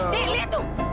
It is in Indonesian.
tih lihat tuh